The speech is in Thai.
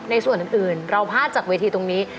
ส่วนอื่นเราพลาดจากเวทีตรงนี้